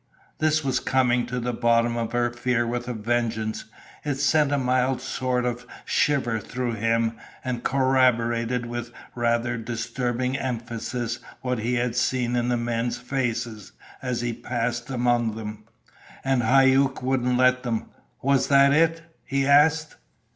This was coming to the bottom of her fear with a vengeance. It sent a mild sort of a shiver through him, and corroborated with rather disturbing emphasis what he had seen in the men's faces as he passed among them. "And Hauck wouldn't let them? Was that it?" he asked.